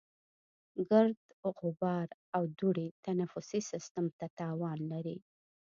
ګرد، غبار او دوړې تنفسي سیستم ته تاوان لري.